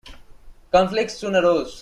Conflicts soon arose.